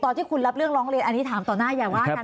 ตอนที่คุณรับเรื่องร้องเรียนอันนี้ถามต่อหน้าอย่าว่ากัน